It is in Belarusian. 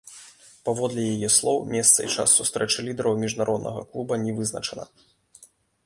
Паводле яе слоў, месца і час сустрэчы лідараў міжнароднага клуба не вызначана.